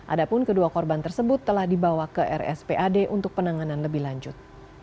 adapun kedua korban tersebut telah dibawa ke rspad untuk penanganan lebih lanjut